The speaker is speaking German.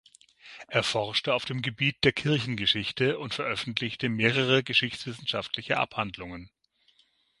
Er forschte auf dem Gebiet der Kirchengeschichte und veröffentlichte mehrere geschichtswissenschaftliche Abhandlungen.